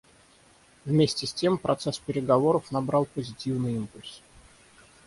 Вместе с тем процесс переговоров набрал позитивный импульс.